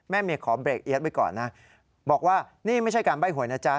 เมย์ขอเบรกเอี๊ยดไว้ก่อนนะบอกว่านี่ไม่ใช่การใบ้หวยนะจ๊ะ